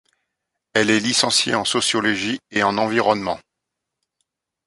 Elle est licenciée en sociologie et en environnement.